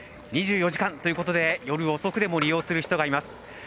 ２４時間ということで夜遅くでも利用する人がいます。